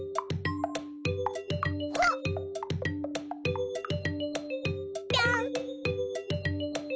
ほっぴょん。